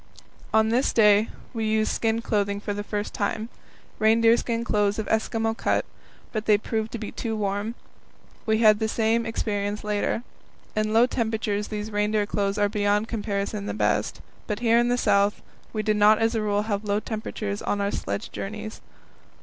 On this day we used skin clothing for the first time reindeer skin clothes of Eskimo cut but they proved to be too warm. We had the same experience later. In low temperatures these reindeer clothes are beyond comparison the best, but here in the South we did not as a rule have low temperatures on our sledge journeys.